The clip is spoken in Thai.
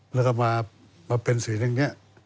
แล้วก็มาเป็นสีอย่างนี้